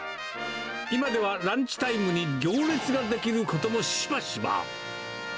今ではランチタイムに行列が出来ることもしばしば。